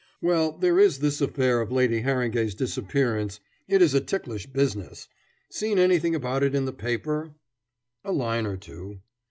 "Well, there is this affair of Lady Harringay's disappearance. It is a ticklish business. Seen anything about it in the paper?" "A line or two."